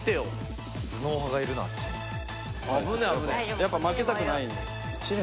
やっぱ負けたくない。